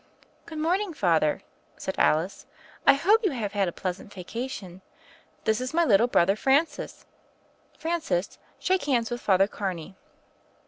"Good morning. Father," said Alice, '*I hope you have had a pleasant vacation. This THE FAIRY OF THE SNOWS 69 is my little brother, Francis. Francis, shake hands with Father Carney."